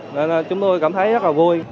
nên chúng tôi cảm thấy rất là vui